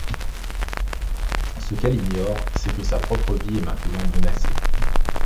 Ce qu'elle ignore, c'est que sa propre vie est maintenant menacée.